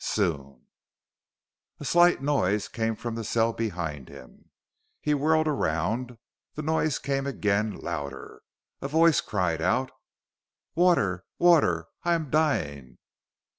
Soon A slight noise came from the cell behind him. He whirled around. The noise came again, louder. A voice cried out. "Water! Water! I am dying!"